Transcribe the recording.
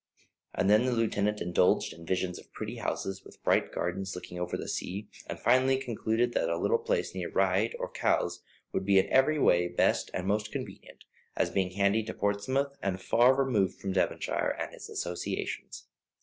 And then the lieutenant indulged in visions of pretty houses, with bright gardens looking over the sea, and finally concluded that a little place near Ryde or Cowes would be in every way best and most convenient, as being handy to Portsmouth, and far removed from Devonshire and its associations.